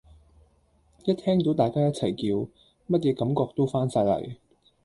一聽到大家一齊叫，乜野感覺都返晒黎！